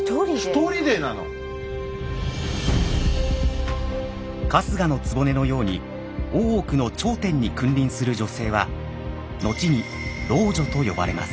一人でなの⁉春日局のように大奥の頂点に君臨する女性は後に「老女」と呼ばれます。